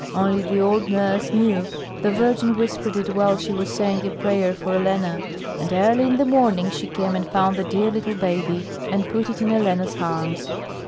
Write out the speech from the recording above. Only the old nurse knew; the Virgin whispered it while she was saying a prayer for Elena; and early in the morning she came and found the dear little baby and put it in Elena's arms.